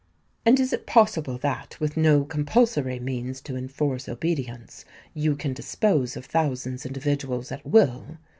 "And is it possible that, with no compulsory means to enforce obedience, you can dispose of thousands individuals at will?"